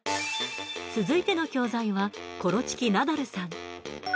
続いての教材はコロチキナダルさん。